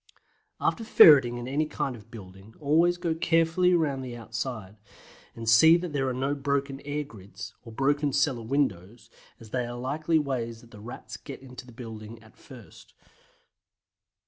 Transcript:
After ferreting in any kind of building, always go carefully round the outside, and see that there are no broken air grids, or broken cellar windows, as these are likely ways that the Rats get into the building at first.